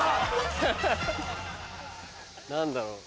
何だろう？